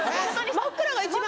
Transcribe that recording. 真っ暗が一番。